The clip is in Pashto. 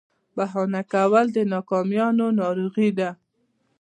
بهانه کول د ناکامیانو ناروغي ده.